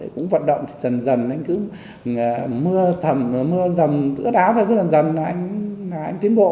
cũng vận động dần dần anh ấy cứ mưa thầm mưa dầm ướt áo thôi cứ dần dần là anh ấy tiến bộ